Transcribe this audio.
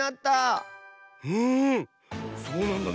うんそうなんだね。